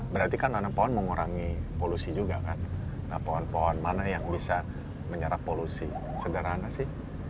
berarti kan nanam pohon mengurangi polusi juga kan pohon pohon mana yang bisa menyerap polusi sederhana sih